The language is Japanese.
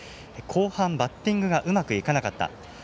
後半、バッティングがうまくいかなかった。